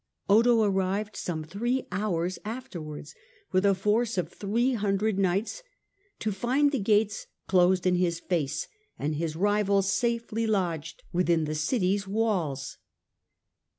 Otho arrived some three hours afterwards with a force of three hundred knights to find the gates closed in his face and his rival safely lodged within the city's walls.